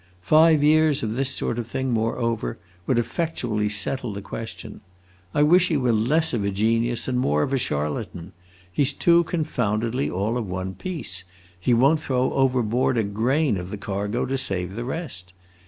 Five years of this sort of thing, moreover, would effectually settle the question. I wish he were less of a genius and more of a charlatan! He 's too confoundedly all of one piece; he won't throw overboard a grain of the cargo to save the rest.